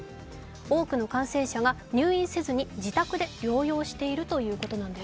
多くの感染者が入院せずに自宅で療養しているということなんです。